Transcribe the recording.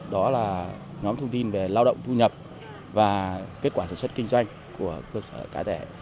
đó là nhóm thông tin về lao động thu nhập và kết quả sản xuất kinh doanh của cơ sở cá thể